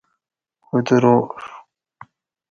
اتروژ